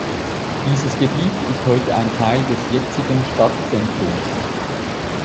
Dieses Gebiet ist heute ein Teil des jetzigen Stadtzentrums.